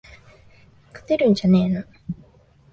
勝てるんじゃねーの